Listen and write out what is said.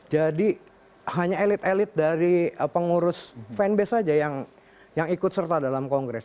hanya elit elit dari pengurus fanbase saja yang ikut serta dalam kongres